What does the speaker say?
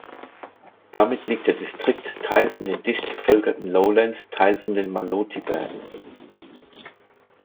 Damit liegt der Distrikt teils in den dicht bevölkerten "Lowlands", teils in den Maloti-Bergen.